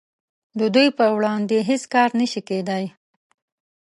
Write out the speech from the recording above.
د دوی په وړاندې هیڅ کار نشي کیدای